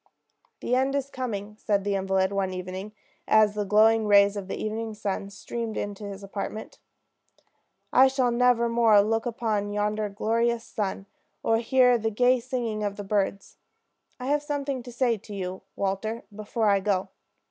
"The end is coming," said the invalid one evening, as the glowing rays of the evening sun streamed into his apartment. "I shall never more look upon yonder glorious sun, or hear the gay singing of the birds. I have something to say to you, Walter, before I go.